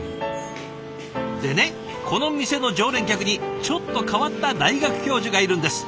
でねこの店の常連客にちょっと変わった大学教授がいるんです。